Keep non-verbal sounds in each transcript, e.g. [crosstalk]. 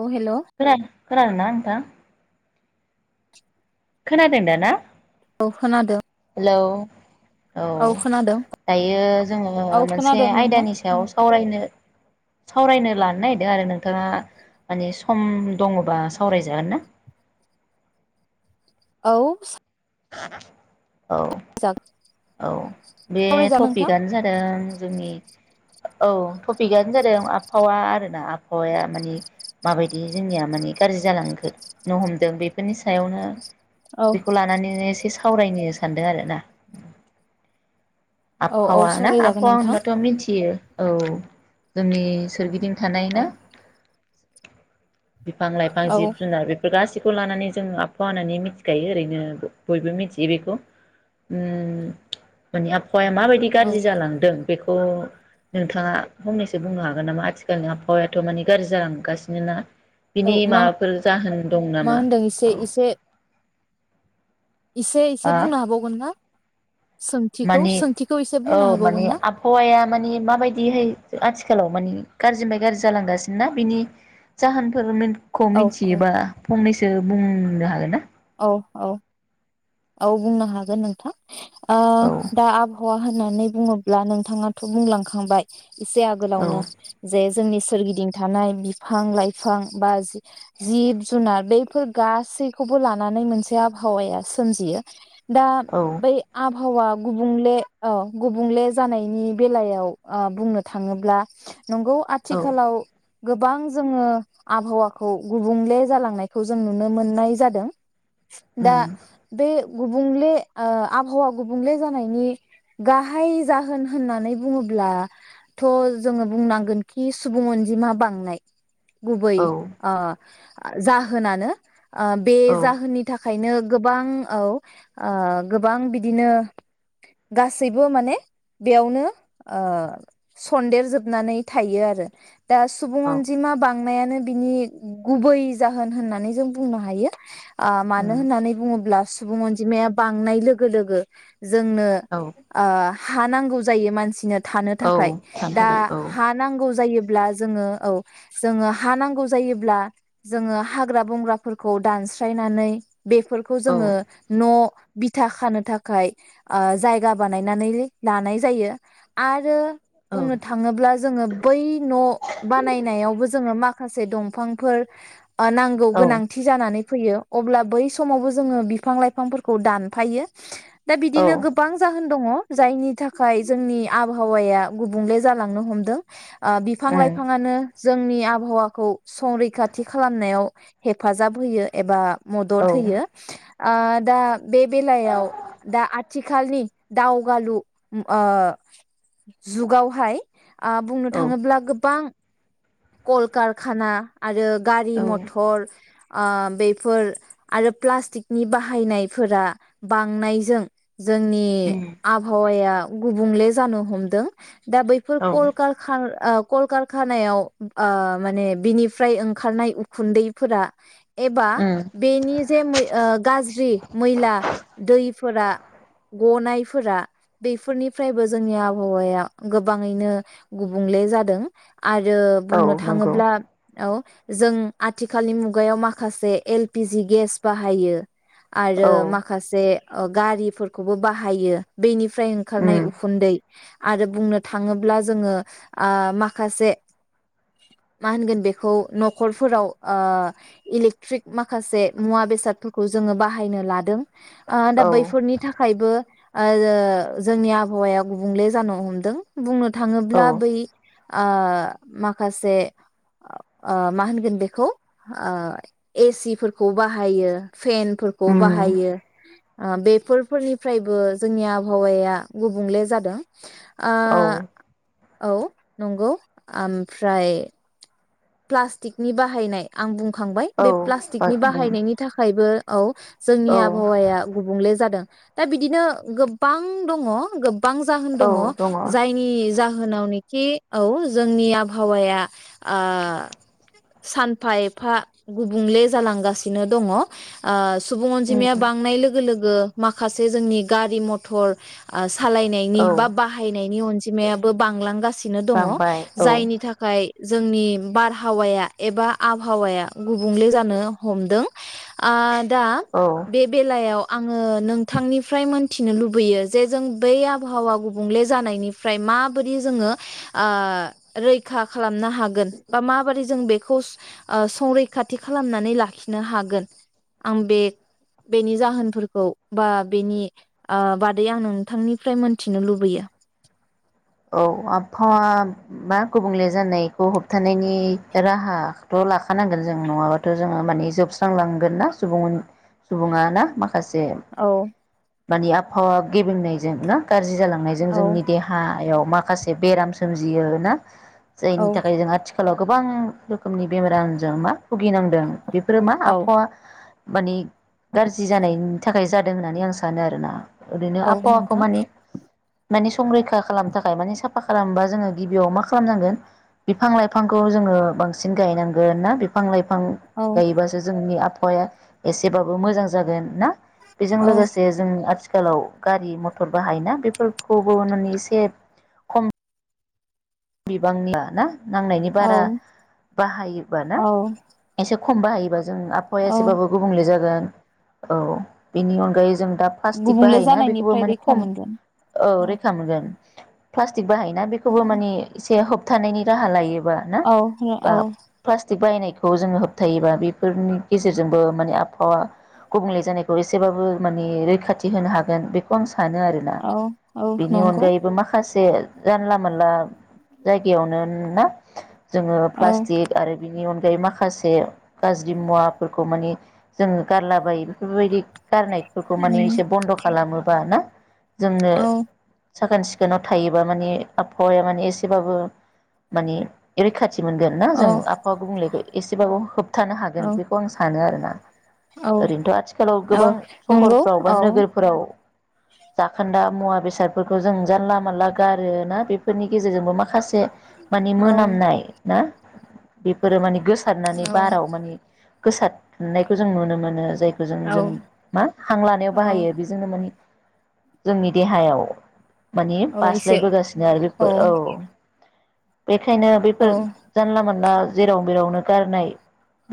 औ हेल' खोनादों ना नोंथा? खोनादों दा ना? औ खोनादों हेलौ औ दायो जोङो औ मोनसे खोनादों नोंथां आयदानि उम सायाव सावरायनो सावरायनो लान नो नागिरदों आरो नोंथाङा माने सम दङबा सावरायजागोन ना? औ सा [inaudible] औ-औ बे सावरायजागोन नोंथां टपिकआनो जादों जोंनि औ टपिकआनो जादों आबहावा आरोना आबहावाया मानि माबायदि जोंनिया माने गाज्रि जालांखो नो हमदों बेफोरनि सो सायावनो औ बेखौ लानानै ने एसे सावरायनो सानदों आरो ना, औ औ आबहावा ना सावरायजागोन आबहावा नोंथां होनबाथ मिथियो। औ जोंनि सोरगिदिं थानाय औ ना? बिफां लाइफां औ जिब जुनार बेफोर गासिखौबो खौ लानानै जों आबहावा होननानै मिथिखायो ओरैनो बयबो मिथि बेखौ ओम माने हाया माबायदि औ गाज्रि जालांदों, बेखौ नोंथाङा फंनैसो बुंनो हागोन नामा, आथिखालनि आबहावायाथ माने गाज्रि जालांगासिनो ना? औ बिनि मा माबाफोर जाहोन दं मा नामा? होनदों एसे औ, एसे-एसे हा बुंनो हाबावगोन ना? सोंथिखौ माने सोंथिखौ एसे औ बुंनो माने हाबावगोन ना आबहावाया माने माबायदिहाय आथि खालाव मानि गाज्रिनिफ्राय गाज्रि जालांगासिनो ना? बिनि जाहोनफोर मोन खौ औ औ मिथियोबा फंनैसो बुं बुंनो हागोन ना? औ-औ औ बुंनो हागोन नोंथां। ओ औ दा आबहावा होननानै बुङोब्ला नोंथाङाथ' बुंलांखांबाय इसे आगोलावनो औ जे जोंनि सोरगिदिं थानाय बिफां-लाइफां बा जिब- जुनार बैफोर गासैखौबो लानानै मोनसे आबहावाया सोमजियो दा औ बै आ आबहावा गुबुंले ओ गुबुंले जानायनि बेलायाव बुंनो थाङोब्ला नंगौ औ आथिखालाव गोबां जोङो आबहावाखौ गुबुंले जालांनायखौ जों नुनो मोननाय जादों। दा उम गुबुंले ओ आबहावा गुबुंले जानायनि गाहाय जाहोन होननानै बुङोब्लाथ' जोङो बुंनांगोनखि सुबुं अनजिमा बांनाय। गुबै औ ओ जाहोनानो बे औ जाहोननि थाखाय ओंखायनो गोबां औ ओ गोबां बिदिनो गासैबो माने बेयावनो ओ सन्देर जोबनानै थायो आरो। दा सुबुं औ अनजिमा बां बांनायानो बिनि गुबै जाहोन होननानै जों बुंनो हायो। ओ मानो उम होननानै बुङोब्ला सुबुं अनजिमाया बांनाय लोगो लोगो जोंनो औ ओ हा नांगौ जायो मानसिनो। थानो औ थाखाय थानो दा थाखाय औ हा नांगौ जायो। ब्ला जोङो औ जोङो हा नांगौ जायोब्ला जोङो हाग्रा बंग्राफोरखौ दानस्रायनानै बेफोरखौ औ जोङो न' बिथा खानो थाखाय जायगा बानायनानै लानाय जायो आरो औ बुंनो थाङोब्ला जोङो बै न' बानायनायावबो जोङो माखा माखासे दंफांफोर नांगौ औ गोनांथि जानानै फैयो। अब्ला बै समावबो जोङो बि बिफां लाइफांफोरखौ दानफायो। दा बिदिनो गोबां जाहोन दङ। जायनि थाखाय जोंनि आबहावाया गुबुंले जालांनो हमदों। ओ बिफां उम लाइफाङानो जोंनि आबहावाखौ संरैखाथि खालामनायाव हेफाजाब होयो एबा औ मदद होयो। ओह दा बे बेलायाव दा आथिखालनि दावगालु उम ओह जुगावहाय। ओह औ बुंनोथाङोब्ला गोबां कलकारखाना। आरो गारिमथर ओह बेफोर आरो प्लास्टिक नि बाहायनायफोरा बांनायजों। जोंनि उम आबहावाया। गुबुंले जानोहमदों। दा बैफोर औ कल कार खार ओह कल कार खानायाव ओह माने बिनिफ्राय ओंखारनाय उखुन्दैफोरा। एबा उम बेनिजे मै ओह। गाज्रि मैला दैफोरा गनायफोरा बेफोरनिफ्रायबो जोंनि आबहावाया गोबाङैनो गुबुंलेजादों। आरो औ नंगौ बुंनोथाङोब्ला औ। जों आथिखालनि मुगायाव माखासे एल पि जि गेस बाहायो। आरो औ माखासे। ओह गारिफोरखौबो बाहायो बेनि फ्राय ओंखारनाय उम उखुन्दै। आरो बुंनोथाङोब्लाजोङो आह माखासे माहोनगोनबेखौ नखरफोराव ओह इलेक्ट्रिक माखासे मुवा बेसादफोर खौजोङो बाहायनोलादों। ओह दा औ बैफोरनि थाखायबो। ओह जोंनि आबहावाया गुबुंले जानोहमदों बुंङो औ थाङोब्ला बै ओह माखासे ओह माहोनगोनबेखौ ओह ए सि फोरखौ बाहायो। फेन फोरखौ उम बाहायो। ओह बेफोर फोरनिफ्रायबो जोंनिआबहावाया गुबुंलेजादों। औ आह औ नंगौ ओमफ्राय प्लास्टिकनि बाहायनाय आंबुं खांबाय औ बेप्लास्टिकनि बाहायनायनि थाखायबो। औ। औ जोंनि आबहावाया गुबुंलेजादों। दाबिदिनो गोबांदङ गोब गोबां औ जाहोनदङ दङ जायनि जाहो होनावनोखि औ जोंनि आबहावाया ओह सानफा एफा गुबुंले जालांगासिनो दङ ओह सुबुं अनजिमाया बांनाय लोगो लोग गो माखासे जोंनि गारि मथर आ सालायनायनि बा औ बाहायनायनि अनज जिमायाबो बांलांगासि नो दङ बांबाय औ जायनि थाखाय जोंनि बार हावाया एबा आबहावाया गुबुंले जानो हमदों ओ दा औ बे बेलायाव आङो नोंथांनिफ्राय मोनथिनो लुबैयो जे जों बै आबहावा गुबुंले जानायनिफ्राय माबोरै जोङो ओ रैखा खालामनो हागोन? बा माबोरै जों बेखौ ओ संरैखाथि खालामनानै लाखिनो हागोन आं बे बेनि जाहोनफोरखौ बा बेनि ओ बादै आं नोंथांनिफ्राय मोनथिनो लुबैयो। औ आबहावा मा गुबुंले जानायखौ होबथानायनि राहाथ लाखानांगोन जों नङाबाथ' जोङो माने जोबस्रांलांगोन ना सुबुंअन सुबुङा ना माख आसे औ मानि आबहावा गेबेंनायजों ना गाज्रि जालां थांनायजों औ जोंनि देहा याव माखासे बेराम सोमजियो ना? औ जायनि थाखाय जों आथि खालाव गोबां रोखोमनि बेमार आनजार मा भुगिनांदों। बेफोरो मा औ आबहावा मानि गाज्रि जानायनि थाखाय जादों होननानै आं सानो आरोना? ओदिनो औ आबहावाखौ नोंथां माने माने संरैखा खालाम थाखाय माने साफा खालामबा जोङो गिबियाव मा खालामनांगोन बिफां लाइफांखौ जोङो बांसिन गायनांगोन ना बिफां लाइफ बिफां औ गायोबासो जोंनि आब हवाया एसेबाबो मोजां जागोन ना? बेजों औ लोगोसे जों आथि खालाव गारि मथर बाहायोना बेफोरखौबो माने एसे खम [unintelligible] ना नांनायनि औ बारा बाहायोबा ना औ इसे खम बाहायोबाज जों आबहावाया औ एसेबाबो गुबुंले जागोन। औ बेनि अनगायैज जों दा प्लास्टिक गुबुंले बाहायोना बेखौबो जानायनिफ्राय माने रैखा खम मोनगोन औ रैखा मोनगोन। फ्लास थिग बाहायोना बेखौबो औ माने थे होबथानायनि राहा लायो। बा ना औ बा औ प्लासथिक बाहायनाय खौ जोङो होबथायोबा बेफोरनि गेजेरजोंबो माने आबहावा गुबुंले जानायखौ एसेबाबो मानि रैखाथि होनो हागोन बेखौ आं सा सानो आरोना औ औ बिनि नंगौ अनगायैबो माखासे जानला मोनला बेयावनो ना। जोङो औ प्लास्टिक आरो बिनि अनग बै माखासे। गाज्रि मुवाफोरखौ मानि जों गारलाबायो। बेफोरबायदि गारनायफोरखौ माने उम एसे बन्द' खालामोबा ना। जोंनो। औ साखोन सिखोनाव थायोबा माने आबहावाया माने [unintelligible] बाबो मानि रैखा थि मोनगोन ना औ जों आबहावा गुबुंलेखौ एसेबाबो होबथानो औ हागोन बेखौ आं सानो आरो। ओ। औ ओरैनोथ' आथिखालाव औ गोबां नंगौ सहरफ्राव बा औ नोगोरफोराव जाखोन्दा। मुवा बेसादफोरखौ जों जानला मोनला गारो ना बेफोरनि गेजे जे जोंबो माखा बे माने औ मोनामनाय ना। बेफोरो मानि गोसारनानै औ बाराव मानि गोसाद नायखौ जों नुनो मोनो जाय जों औ जों मा हां लानायाव औ बाहायो बेजोंनो मानि जोंनि देहायाव। माने औ एसे बास्लायबोगासिनो आरो बे ओ औ। बेखायनो औ बेफोर जानला मोनला। जेराव मेरावनो गारनाय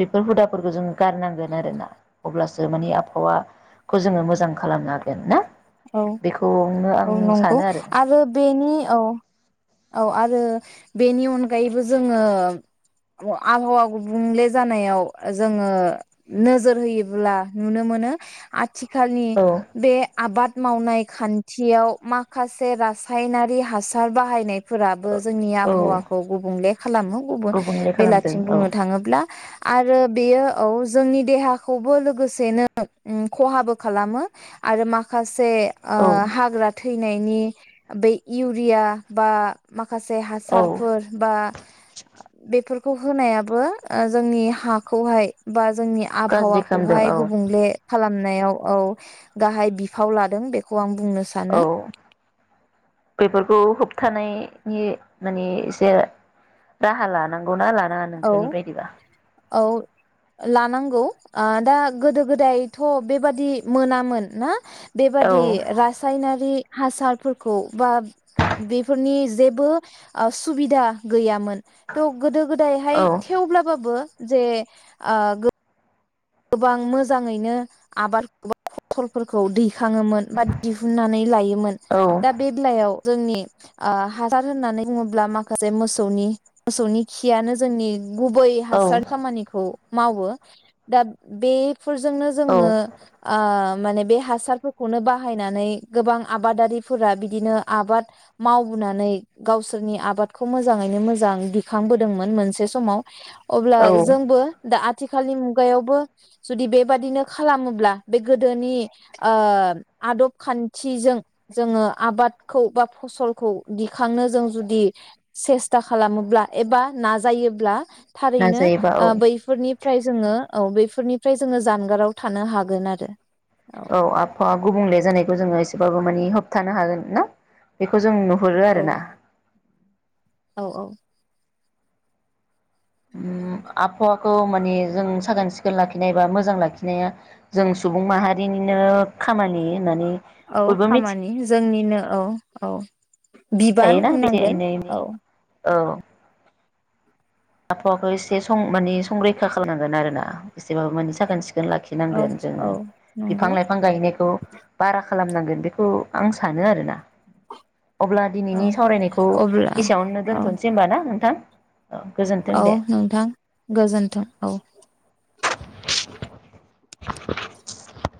बेफोर हुदाफोरखौ जोङो गारनांगोन आरो ना अब्लासो माने आबहावाखौ जोङो मोजां खालामनो हागोन ना। औ बेखौनो आं औ नंगौ सानो आरो बेनि औ। औ आरो बेनि अनगायैबो जोङो आबहावा गुबुंले जानायाव जोङो नोजोर होयोब्ला नुनो मोनो थिखालनि औ बे आबाद। मावनाय खान्थियाव माखासे रासायनारि हासार बाहायनाय। फोराबो जोंनि औ आबहावाखौ गुबुंले। खालामो गुबुन गुबुंले खालामदों बेलाथिं औ बुंनो थाङोब्ला। आरो बेयो औ जोंनि देहाखौबो लोगोसेनो खहाबो खालामो आरो माखासे। खास। से ओ औ हाग्रा। थैनायनि बे इउरिया बा मा। माखासे औ हासारफोर बा बेफोर। होनायाबो जोंनि हाखौ हाय बा। जोंनि गाज्रि खालामदों आबहावाखौहाय औ गुबुंले खालाम। नायाव औ गाहाय। बिफाव लादों बेखौ आं। बुंनो औ सानो बेफोरखौ होबथानाय। माने एसे राहा लानांगौना ला। नांङा औ नोंथांनि बायदिबा। औ लानांगौ दा गोदो गोदायथ बेबादि मोनामोन ना। बेबादि औ रासायनारि। हासारफोरखौ बा बेफोरनि जेबो सुबिदा गैयामोन। थ गोदो गोदाय। औ थेवब्लाबो। बो जे ओ गोबां मोजांङैनो आबाद एबा फसलफोरखौ दै। दिखांङोमोन बा दिहुन्नानै लायोमोन दा बे बेलायाव। जोंनि हासार होननानै बुंङोब्ला माखासे मोसौनि मोसौनि खियानो जोंनि। गुबै औ हासार खामानिखौ। मावो। दा बे। फोरजोंनो औ जोंङो ओ माने बे हासारफोरखौनो बाहायनानै गोबां आबादारिफोरा बिदिनो आबाद मावबोनानै गावसोरनि आबादखौ मोजाङैनो मोजां दिखांबोदोंमोन मोनसे समाव। अब्ला औ जोंबो दा। थि खालनि। खुगायावबो जुदि बेबादिनो खालामोब्ला बे गोदोनि आदब खान्थिजों जोङो आबादखौ बा फसलखौ दिखांनो जों जुदि सेस्था खालामोब्ला एबा नाजायो। थारैनो नाजायोबा औ ओ बैफोरनि फ्राय जोंङो औ बेफोरनिफ्राय जोंङो जानगाराव थानो हागोन आरो। औ आफहावा गुबुंले जानायखौ जोंङो एसे जोबाबा मानि होबथानो हागोन ना बेखौ? जों नुहुरो औ आरोना औ औ मुं आबहावाखौ माने जों साखोन सिखोन लाखिनाय बा मोजां लाखिनाया जों सुबुं माहारिनिनो खामानि होननानै औ बयबो खामानि जोंनिनो औ औ बिबान मिथिखायोना बे होननांगोन एनै एनै औ औ आबहावाखौ एसे सं माने संरैखा खालामनांगोन आरोना एसे बाबो मोने सागोन सिखो औ लाखिनांगोन जोङो। औ बिफां नंगौ लाइफां गायनायखौ बारि खालामनांगोन बेखौ आं सानो आरोना। अब्ला दिनैनि औ सावरायनायखौ अब्ला एसेयावनो औ दोनथ'नोसै होमबा ना नोंथां? औ गोजोन्थों औ दे नोंथां गोजोन्थों औ। [inaudible]